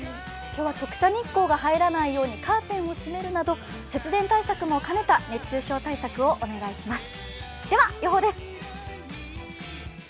今日は直射日光が入らないようにカーテンを閉めるなど節電対策も兼ねた熱中症対策をお願いします。